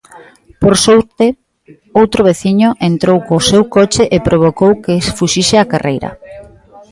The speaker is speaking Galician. Por sorte, outro veciño entrou co seu coche e provocou que fuxise á carreira.